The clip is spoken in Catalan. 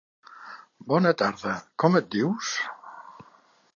Bona tarda. Com et dius?